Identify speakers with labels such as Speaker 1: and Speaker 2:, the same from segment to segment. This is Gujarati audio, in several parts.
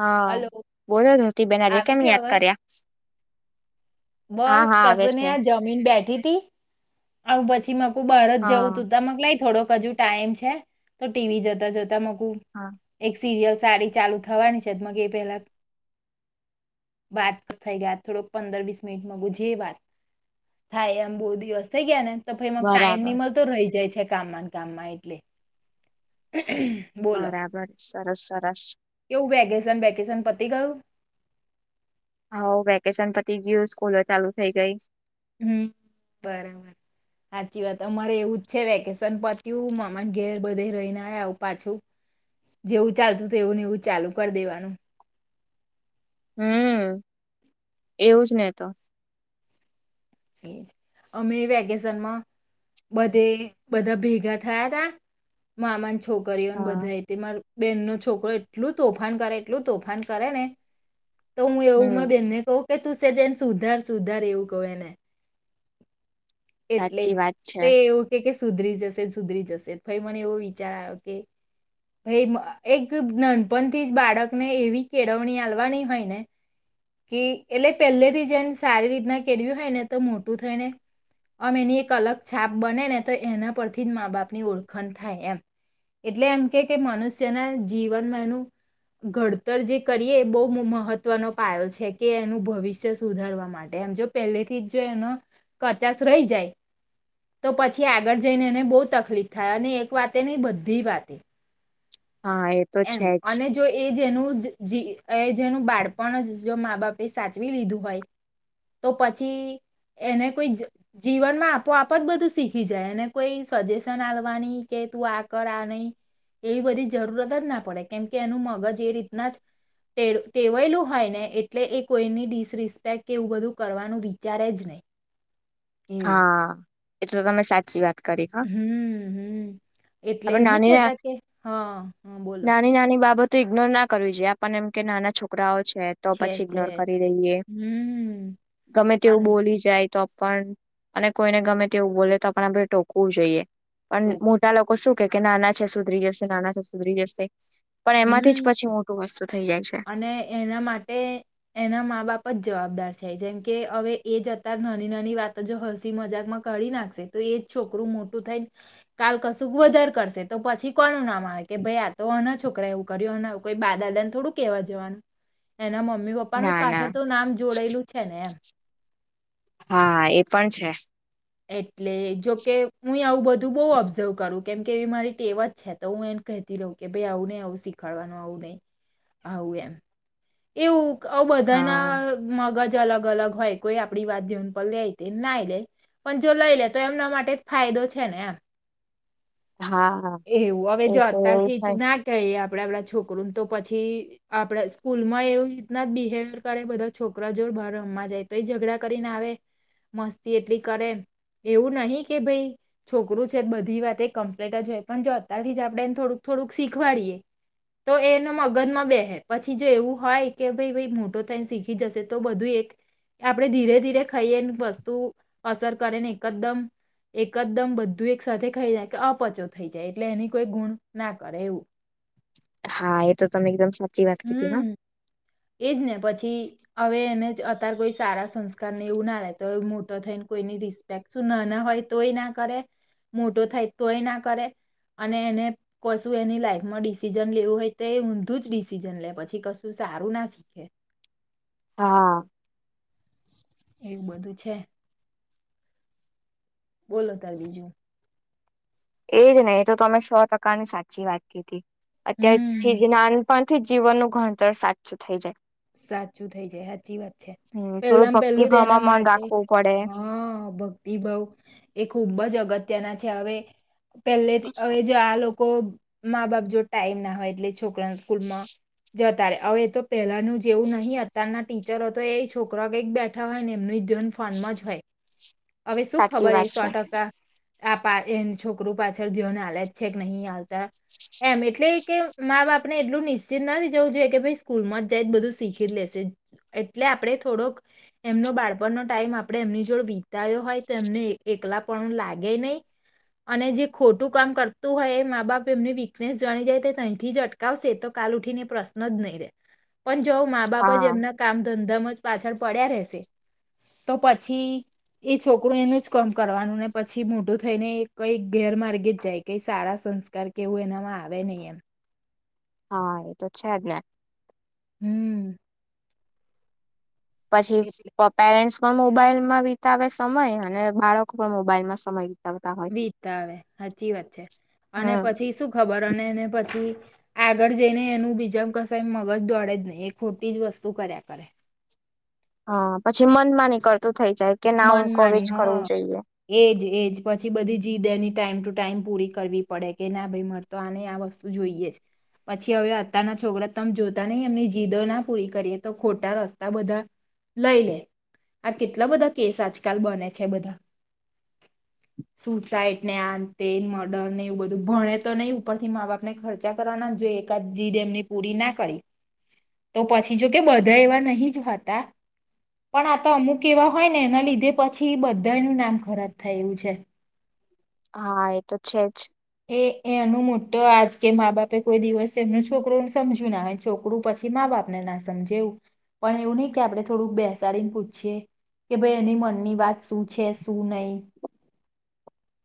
Speaker 1: હા,
Speaker 2: હલો
Speaker 1: બોલો ધોતી બેન આજે
Speaker 2: આવે
Speaker 1: કેમ
Speaker 2: છે
Speaker 1: યાદ
Speaker 2: અવાજ?
Speaker 1: કર્યા? હા
Speaker 2: બસ
Speaker 1: હા આવે
Speaker 2: કશું
Speaker 1: છે
Speaker 2: નહીં આ જમીન બેઠી થી. આવું પછી મકુ બારજ જવું
Speaker 1: હા
Speaker 2: તું તો મક લાય થોડો કજુ ટાઈમ છે તો ટીવી જોતા જોતા મકું
Speaker 1: હા
Speaker 2: એક સિરિયસ સાડી ચાલુ થવાની છે મ કે એ પેલા વાતસ થઈ ગયા થોડોક પંદર વીસ મિનિટ માં જે વાત થાય એમ બહુ દિવસ થઈ ગયા ને તો ફરી ટાઈમ
Speaker 1: બરાબર
Speaker 2: ની મળતો રહી જાય છે કામમાં કામમાં એટલે બોલો?
Speaker 1: બરાબર સરસ સરસ.
Speaker 2: કેવું વેકેસન વેકેસન પતિ ગયું?
Speaker 1: હઓ વેકેશન પતી ગયું, સ્કૂલો ચાલુ થઇ ગઈ.
Speaker 2: હમ્મ, બરાબર. હાચી વાત અમારે એવું જ છે વેકેશન પતીયુ મામા ઘેર બધે રહીને આયા આવ પાછું જેવું ચાલતું થું એવું ને એવું ચાલુ કર દેવાનું.
Speaker 1: હમ્મ, એવુંજ ને તો.
Speaker 2: એજ અમે વેકેસન માં બધે બધા ભેગા થયા તા મામા છોકરીઓને
Speaker 1: હા
Speaker 2: બધા તે મારું બેન નો છોકરો એટલું તોફાન કરે એટલું તોફાન કરે ને તો હું એવું માં
Speaker 1: હમ
Speaker 2: બેનને કહું કે તું સ્હેજ એન સુધાર સુધાર એવું કહું એને એટલે
Speaker 1: સાચી વાત છે
Speaker 2: તે એવું કે કે સુધરી જશે સુધરી જશે. ફરી મને એવો વિચાર આવ્યો કે હૈ આહ એક નાનપણથી જ બાળકને એવી કેળવણી આવવાની હોય ને કે એટલે પહેલેથી જેમ સારી રીતના કેળવી્યું હોય ને તો મોટું થઈ ને આમ એની એક અલગ છાપ બને ને તો એના પરથી જ મા બાપની ઓળખણ થાય એમ. એટલે એમ કે કે મનુષ્યના જીવનમાં એનું ઘડતર જે કરીએ એ બહુ મ-મહત્વનો પાયો છે કે એનું ભવિષ્ય સુધારવા માટે. એમ જો પહેલે થી જ જો એનો કચાસ રહી જાય તો પછી આગળ જઈને એને બહુ તકલીફ થાય અને એક વાતે નહ બધી વાતે
Speaker 1: હા એ તો છે
Speaker 2: એમ
Speaker 1: જ
Speaker 2: અને જો એ જેનું જેનું બાળપણ જ જો મા બાપે સાચવી લીધું હોય. તો પછી એને કોઈ જીવનમાં આપો આપો જ બધું શીખી જાય, એને કોઈ સજેશન આવવાની કે તું આ કર આ નહી એવી બધી જરૂરત જ ના પડે કેમ કે એનું મગજ એ રીતના જ ટેવાયલું હોય ને એટલે એ કોઈની ડિસરિસ્પેક્ટ એવું બધું કરવાનું વિચારે જ નહી. [unintelligible]
Speaker 1: હા, એ તો તમે સાચી વાત કરી હા
Speaker 2: હમ હમ એટલે
Speaker 1: આપણે
Speaker 2: નહી
Speaker 1: નાની ના
Speaker 2: કેતા કે, હા, હ બોલો!
Speaker 1: તો ઈગ્નોર ના કરવી જોઈએ આપણ એમ કે નાના છોકરાઓ છે. છે, તો પછી ઈગ્નોર કરી દઈએ
Speaker 2: હમ
Speaker 1: ગમે તેવું
Speaker 2: અને
Speaker 1: બોલી જાય, તો પણ અને કોઈને ગમે તેવું બોલે તો આપ આપડે ટોકવું જોઈએ. પણ
Speaker 2: તો
Speaker 1: મોટા લોકો શું કે કે નાના છે, સુધરી જશે નાના છે સુધરી જશે. પણ એમાંથી જ
Speaker 2: હમ
Speaker 1: પછી મોટું વસ્તુ થાય.
Speaker 2: અને એના માટે એના મા બાપ જ જવાબદાર છે. જેમ કે હવે એ જત નાની નાની વાતો જો હસી મજાકમાં કરી નાખશે તો એજ છોકરું મોટું થ કાલ કશુંક વધારે કરશે તો પછી કોનું નામ આવે કે ભાઈ આ તો છો છોકરાએ એવું કર કોઈ બાદા ને થોડું કેવા જવાનું એના મમ્મ મમ્મી પપ્પાનું
Speaker 1: ના ના
Speaker 2: પાછળ તો નામ જોડેલું છે. ને એમ
Speaker 1: હા, એ પણ છે.
Speaker 2: એટલે જોકે હું આવું બધું બહુ ઓબ્ઝર્વ કરું કેમકે એ મારી ટેવ જ છે. તો હું એ કહેતી રહું કે ભાઈ આવું નહી આવું શીખાડવાનું આવું નહી આવું એમ એવું આવ બધાના
Speaker 1: હા
Speaker 2: મગજ અલગ અલગ હોય કોઈ આપણી વાત જેવન પણ લે, ના લે પણ જો લઈ લે તો એમના માટે ફાયદ ફાયદો છે. ને એમ
Speaker 1: હા
Speaker 2: એવું હવે
Speaker 1: એ
Speaker 2: જો
Speaker 1: તો
Speaker 2: અત્યાર
Speaker 1: એવું
Speaker 2: થી
Speaker 1: છે
Speaker 2: જ ના કહીએ આપડે આપણા છોકરોને તો પછી આપડા સ્કૂલ માં એવી રીતના બિહેવિયર કરે બધા છોકરા જોડ બર રમવા જાય તો એ ઝઘડા કરીને, આવે મસ્તી એટલી કરે એવું નહી કે ભાઈ છોકરું છે, બધી વાત કમ્પ્લેટ જ હોય. પણ જો અત્યારથી જ આપડેને થોડુંક થોડુંક શીખવાડીએ તો એના મગજ માં બેહે પછી જો એવું હોય કે ભાઈ મોટો થાય શીખી જશે તો બધું એક આપડણે ધીરે ધીરે ખાઈએને વસ્તુ અસર કરેને એકદમ એકદમ બધું એક સાથે ખાઈ જાય કે અપચો થઈ જાય એટલે એની કોઈ ગુણ ના કરે એવું.
Speaker 1: હા, એ તો તમે એકદમ સાચી વાત કીધી હતી હા
Speaker 2: હમ એજ ને પછી હવે એને જ અતાર કોઈ સારા સંસ્કારને એવું ના લે તો મોટો થઈને કોઈની રિસ્પેક્ટ શું ના ના હોય તોય ના કરે, મોટો થાય તોય ના કરે અને એને કશું એની લાઈફ માં ડિસિઝન લેવું હોય તો એ ઊંધું જ ડિસિઝન લે, પછી કશું સારું સારુ ના શીખે.
Speaker 1: હા.
Speaker 2: એવું બધું છે. બોલો ત બીજું?
Speaker 1: એજ નહી એ તો અમે સો ટકાની સાચી વાત કીધી અત્યાર
Speaker 2: હમ
Speaker 1: ચીજ નાન પણ થી જીવનનું ઘણતર સાચું થઈ જાય.
Speaker 2: સાચું થઈ જાય સાચી વાત છે.
Speaker 1: હમ થોડું
Speaker 2: પેલામાં પેલું તો એના
Speaker 1: ભક્તિભાવમાં મન
Speaker 2: માટે
Speaker 1: રાખવું પડે.
Speaker 2: હા, ભક્તિભાવ એ ખુબ જ અગત્ય અગત્યના છે. હવે પહેલે હવે જો આ લોકો મા બાપ જોડ ટાઈમ ના હોય એટલે છોકરા સ્કૂલમાં જતા ર હવે એ તો પહેલાનું જ જેવું નહીં અતારના ટીચર હતો એ છોકરા કંઈક બેઠા હોય ને એમનું ધન ફનમાં જ હોય. હવે શું
Speaker 1: સાચી
Speaker 2: ખબર હ
Speaker 1: વાત
Speaker 2: સો
Speaker 1: છે
Speaker 2: ટકા. આ પા એ છોકરું પાછળ ધી્યોને હલે જ છે નહી હાલતા. એમ એટલે કે મા બાપ ને એટલું નિશ્ચિત નથી જવું જોઈએ કે ભાઈ સ્કૂલ માં જાય બધું. શિખી લેશે. એટલે આપણે થોડોક એમનો બાળપણનો ટાઈમ આપડે એમની જોડ વિતાયો હોય તો એમને એકલા પણ લાગે નહી. અને જે ખોટું કામ કરતું હોય એ મા બાપ એમની વીકનેસ જાણી જાય તથી જ અટકાવશે તો કાલ ઉઠીને પ્રશ્ન જ નહી રહે પણ જો મા બાપ જ
Speaker 1: હા.
Speaker 2: એમના કામ ધંધામાં જ પાછળ પડ્યા રશે તો પછી એ છોકરું એનું જ કામ કરવાનું ને પછી મોટું થઈ ને કઈ ગેરમાર્ગે જ જાય કઈ સારા સંસ્કાર કેવું એનામાં આવે નહ એમ.
Speaker 1: હા એ તો છે જ ને.
Speaker 2: હમ.
Speaker 1: પછી
Speaker 2: એટલે
Speaker 1: પેરેન્ટ્સ પણ મોબાઈલ માં વિતાવે સમય અને બાળકો પણ મોબાઈલમાં સમયી
Speaker 2: વીતતા આવે સાચી વાત છે અને
Speaker 1: હમ.
Speaker 2: પછી શું ખબર અને એને પછી આગળ જઈને એનું બીજા કસ મગજ દોડે જ નહી એ ખોટી જ વસ્તુ કર્યા કરે.
Speaker 1: હા પછી મનમાં નીકળતા.
Speaker 2: મનમાની હ
Speaker 1: જોઈએ.
Speaker 2: એજ એજ પછી બધી જીદ એની ટાઈમ ટુ ટાઈમ પૂરી કરવી પડે કે ના ભાઈ મારે તો આને આ વસ્તુ જોઈએ જ. પછી હવે અત્યારના છોકરા તમે જોતા નહી એમની જીદો ના પૂરી કરીએ તો ખોટા રસ્તા બધા લઈ લે આ કેટલા બધા કેસ આજકાલ બને છે બધા સુસાઈડ ને અંતે મર્ડર ને એવું બધું ભણે તો નહીં ઉપર થી મા બાપ ને ખર્ચા કરવાના જોઈએ. એકાદ જીદ એમની પૂરી ના કરી તો પછી જો કે બધા એવા નહીિ જ હતા પણ આ તો અમુક એવા હોય ને એના લીધે પછી બધા ન નામ ખરાબ થાય એવું છે.
Speaker 1: હા એ તો છે જ.
Speaker 2: એ એ એનું મોટો આજ કે મા બાપે કોઈ દિવસ એમનું છોકરુંને સમજ્યું ના આવે છોકરું પછી મા બાપ આપણે ના સમજેવું પણ એવું નહી કે આપડણે થોડુંક બેસાડીને પૂછીએ. કે ભાઈ એની મનની વાત શું છે શું નહી.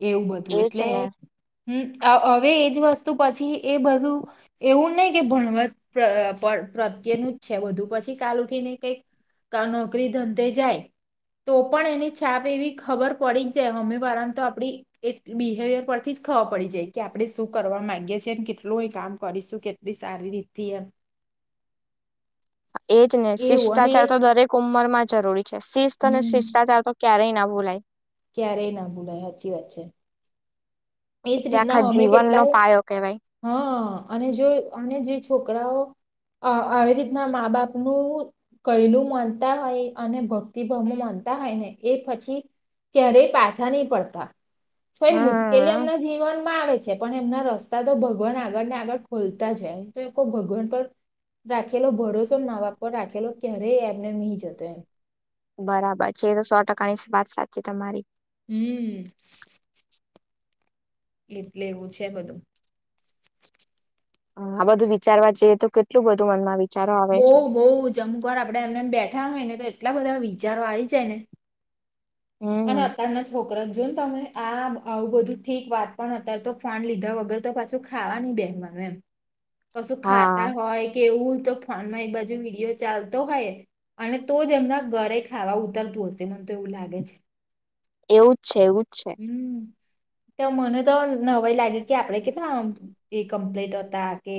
Speaker 2: એવું બધું
Speaker 1: એજ
Speaker 2: એટલે
Speaker 1: ને
Speaker 2: હમ. હવે એજ વસ્તુ પછી એ બધું એવું નહી કે ભણવા એનું જ છે બધુ પછી કાલ ઉઠી ને કઈક નોકરી ધંધે જાય. તો પણ એની છાપ એવી ખબર પડી જ જાય હમમે વારાને તો આપ આપણે એ બિહેવિયર પરથી જ ખબર પડી જાય કે આપણે શું કરવા માંગીએ છીએ ને કેટલું એ કામ કરીશું. કેતલી સારી દીતી એ
Speaker 1: એજ ને
Speaker 2: એવું અને
Speaker 1: શિષ્ટાચાર તો
Speaker 2: એજ
Speaker 1: દરેક ઉંમર માં જરૂરી છે શિસ્ત અને
Speaker 2: હમ
Speaker 1: શિષ્ટાચાર તો ક્યારેય ના બોલાય.
Speaker 2: ક્યારેય ના ભૂલાય સાચી વાત છે. એજ
Speaker 1: એટલે આખા
Speaker 2: રીતના અમે
Speaker 1: જીવનનો
Speaker 2: કેટલાય
Speaker 1: પાયો કેવાય.
Speaker 2: હા. અને જો અને જે છોકરાઓ અ આવી રીતના મા બાપ નું કૈલું માનતા હોય અને ભક્તિભાવો માનતા. હોય ને એ પછી ક્યારેય પાછા નહી પડતા. છય મુશ્કેલી એમના જીવનમાં આવે છે પણ એમના ર તો ભગવાન આગળ ને આગળ ખોલતા જ તો એ લોકો ભગવાન પર રાખેલો ભરોસો નાવાપ રાખેલો ક્યારેય એમને નહી જતો એમ
Speaker 1: બરાબર છે તો સો ટકાની વાત સાચ છે તમારી.
Speaker 2: હમ. એટલે એવું છે બધું.
Speaker 1: હ આ બધું વિચારવા જઈએ તો કેટલું બધું મનમાં વિ
Speaker 2: બઉ બહ જમુકવાર આપડે એમનેમ બેઠા હોય ને તો. એટલા બધા વિચારો આવી જાય ને અને
Speaker 1: હમ
Speaker 2: અત્યારના [unintelligible] તમે આ આવું બધું ઠીક વાત પણ હતા તો ફોન લીધા વગર તો પાછું ખાવાની બેઠ [unintelligible] કશું
Speaker 1: હા
Speaker 2: ખાતા હોય કે એવું તો. ફોન માં એક બાજુ [unintelligible] ચાલતો હોય. અને તો જ એમના ઘરે ખાવા ઉતરતું હશે મને તો એવું લાગે છે.
Speaker 1: એવુંજ છે, એવું જ છે.
Speaker 2: [unintelligible] મને તો નવાઈ લાગે કે આપડે [unintelligible] કમ્પ્લેટ હતા કે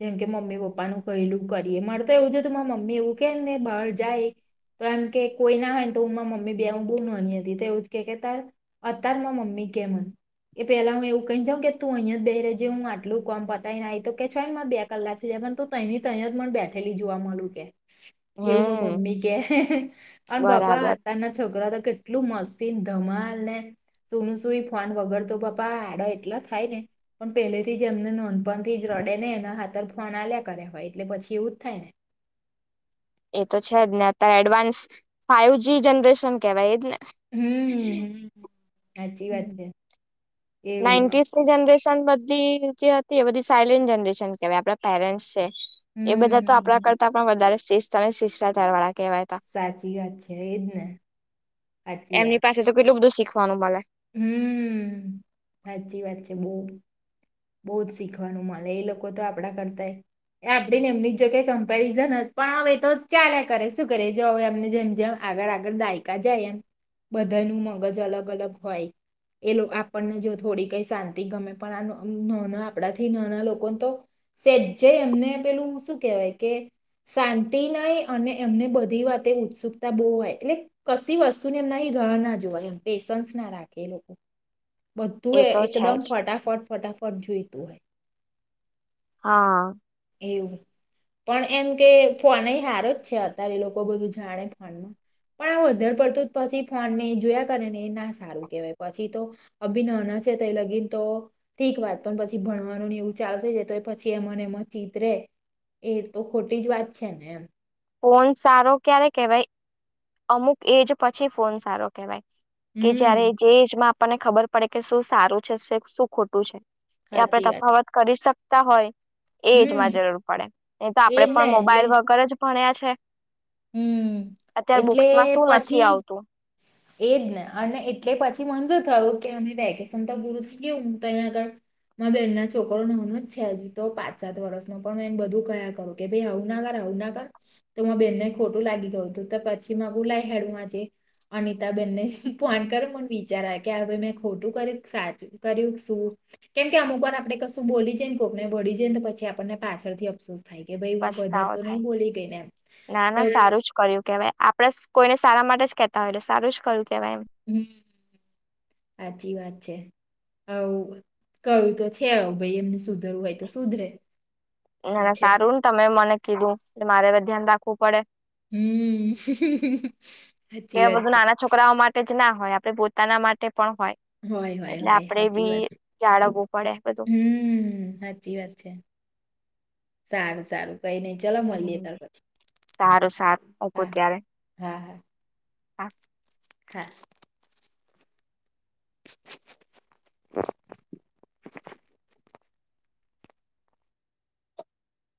Speaker 2: જેમ કે [unintelligible] [unintelligible] પપ્પાનું [unintelligible] કરીએ મારે તો એવું છે, તું માર મમ્મી એવું કે ને બહાર જાય. તો એમ કે કોઈ ના હોય ને તો હું મમ્મી બે હું બહુ [unintelligible] હતી તો એવું જ કે [unintelligible] અતાર મમ્મી. [unintelligible] એ પેલા હું એવ કઈને જાઉં કે તું અહં જ બેરે જવ હું આટલું કોમ પતાયનેઈ તો [unintelligible] ને બે કલાકથી જ. પણ તો તની તૈયત પણ બેઠેલી જોવા મળુ કે. એવું [unintelligible]
Speaker 1: હમ
Speaker 2: મમ્મી કે પણ પપા
Speaker 1: બરાબર
Speaker 2: અતારના છોકરા તો. કેટલું મશીન ધમા [unintelligible] [unintelligible] ફોન વગર તો પપા આડા એટલા થાય ને પણ પેલેથી જ એમને નોંધપણ થી જ [unintelligible] એના હાથર ફોન આલ્યા કરે હોય એટલે પછી એવું જ થાય ને.
Speaker 1: એ તો છે, જ ને અત્યારે એડવાન્સ ફાાઈવ જ જનરેશન કેવાય એ જ ને.
Speaker 2: હમ હ સાચી વાત છે. એવું
Speaker 1: નાઇન્ટીસની જનરેશન બધી જે હતી એ બધી સાયલેન્ટ જનરેશન કેહેવાય આપડા [unintelligible] એ
Speaker 2: હમ
Speaker 1: બધા તો આપડા
Speaker 2: હમ
Speaker 1: કરતા પણ વધારે શિસ્ત અને [unintelligible] કેવાય
Speaker 2: સાચી વાત છે એ જ ને સાચી
Speaker 1: એમની
Speaker 2: વાત
Speaker 1: પાસે તો કેટલું બધું શીખવાનું [unintelligible]
Speaker 2: હમ સાચી વાત છે, બહ બહુ જ શીખવાનું મળને એ લોકો તો આપણા કરતાય. એ આપડીને એમની જ જો ક કમ્પેરિઝન પણ હવે તો ચાલે કરે શું કરે જો હવે એમને જેમ જેમ. આગળ આગળ દાયકા જાય એમ બધા નું મગજ અલગ અલગ હોય. એ લોકો આપણને જો થોડી કઈ શાંતિ ગમે પણ [unintelligible] નાના આપણાથી નાના લોકોને તો સેજ્જે એમને પેલું શું કેહેવાય કે. શાંતિ નાય અને એમને બધી વાતે ઉત્સુકતા બહુ હોય એટલે કશી વસ્તુ [unintelligible] [unintelligible] જોવા એમ પેશન્સ ના રાખે એ લોકો. બધું
Speaker 1: એ તો છે
Speaker 2: એકદમ
Speaker 1: જ
Speaker 2: ફટાફટ ફટાફટ જોઈતું હોય.
Speaker 1: હા.
Speaker 2: એવું પણ એમ કે ફોન હારો જ છે, અત્યારે એ લોકો બધું જાણે ફોનમાં. પણ આ વધારે પડતું જ પછી ફોનને જોયા કરે ને ના સારું કહેવાય પછી તો [inaudible] [unintelligible] લગીન તો. ઠીક વાત પણ પછી ભણવાનું ને એવું ચાલુ થઈ જ તો પછી એ મને એમાંચિત [unintelligible] એ તો ખોટી જ વાત છે, ને એમ.
Speaker 1: ફોન સારો ક્યારે કેહેવાય અમુક એજ પછી ફોન સારો કેહેવાય. કે
Speaker 2: હમ
Speaker 1: જયારે જે એજમાં આપણને ખબર પડે કે શું સારું છે, શું ખોટું છે. એ આપણે
Speaker 2: સાચી વાત છે
Speaker 1: તફાવત કરી શકતા હોય. એજમાં
Speaker 2: હમ
Speaker 1: જરૂર પડે નહી તો આપડે
Speaker 2: એજ ને
Speaker 1: પણ
Speaker 2: એટલે
Speaker 1: મોબાઈલ વગર જ ભણ્યા છે.
Speaker 2: હમ
Speaker 1: અત્યારે
Speaker 2: એટલે
Speaker 1: બુક્સમાં શું નથી
Speaker 2: પછી
Speaker 1: આવતું.
Speaker 2: એજ ને અને એટલે પછી મંજર થયું કે અમે વેકેશન તો પૂરું થઈ ગયું હું તો અહીયા આગળ. મા બે એન ના છોકરો નાોનો જ છે, હજુ તો પાંચ સાત વર્ષ ન પણ એને બધું કયા કરું કે ભાઈ આવું ના કર. કર તો બેનને ખોટું લાગી ગયું હતું તો પછી મા [unintelligible] અનિતાબેનને ફોન કર મને વિચારા કે ભાઈ મેં ખોટું કર્યું સાચું કર્યું શું. કેમ કે અમુક વાર આપે કશું બોલી જઈને કોકને ભળી જાયને તો પછી આપણને પાછળ થી અફસુસ. થાય કે ભાઈ હું પધાર
Speaker 1: પસ્તાવો
Speaker 2: તો નહી
Speaker 1: થાય.
Speaker 2: બોલી ગને એમ.
Speaker 1: ના ના
Speaker 2: તો
Speaker 1: સારું જ કર્યું કેવાય આપડ કોઈને સારા માટે જ કેતા હોય સારું જ કર્યું કેવાય એમ.
Speaker 2: હમ સાચી વાત છે હ કયું તો છે ભાઈ એમને સુધરવું હોય તો સુધરે
Speaker 1: ના
Speaker 2: એવું
Speaker 1: ના
Speaker 2: છે
Speaker 1: સારું ને તમે મને કીધું એટલે મારે ધ્યાન રાખવું પડે
Speaker 2: હમ સાચી
Speaker 1: કે
Speaker 2: વાત
Speaker 1: બધું
Speaker 2: છે
Speaker 1: નાના છોકરાઓ માટે જ ના હોય આપડે પોતાના માટે પણ હોય
Speaker 2: હોય હોય
Speaker 1: એટલે
Speaker 2: હોય
Speaker 1: આપડે
Speaker 2: સાચી
Speaker 1: બી
Speaker 2: વાત છે
Speaker 1: જાળવવું પડે બધું.
Speaker 2: હમ સાચી વાત છે સારું સારું કઈ નહી ચાલ મળીએ તાર પછી
Speaker 1: સારું સારું મૂકું
Speaker 2: હા
Speaker 1: ત્યારે
Speaker 2: હા હા
Speaker 1: [inaudible]
Speaker 2: [inaudible]